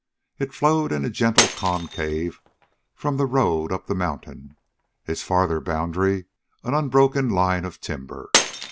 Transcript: It flowed in a gentle concave from the road up the mountain, its farther boundary an unbroken line of timber.